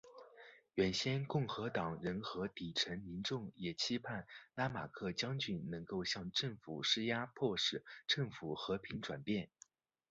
原先共和党人和底层民众也期盼拉马克将军能够向政府施压迫使政府和平转变。